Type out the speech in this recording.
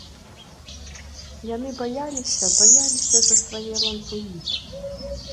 Яны баяліся, баяліся за свае ланцугі.